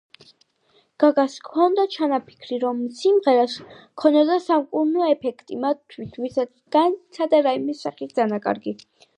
გაგას ჰქონდა ჩანაფიქრი, რომ სიმღერას ჰქონოდა სამკურნალო ეფექტი მათთვის ვინაც განიცადა რაიმე სახის დანაკარგი.